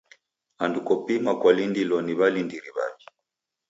Andu kopima kwalindilwa ni w'alindiri w'aw'i.